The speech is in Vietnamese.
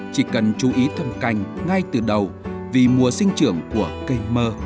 chỉ cần chú ý thâm canh ngay từ đầu vì mùa sinh trưởng của cây mơ